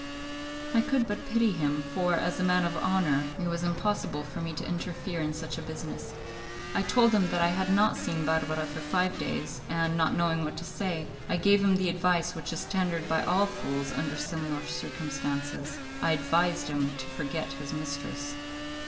I could but pity him, for, as a man of honour, it was impossible for me to interfere in such a business. I told him that I had not seen Barbara for five days, and, not knowing what to say, I gave him the advice which is tendered by all fools under similar circumstances; I advised him to forget his mistress.